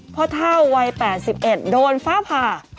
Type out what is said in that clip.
เท่าวัย๘๑โดนฟ้าผ่า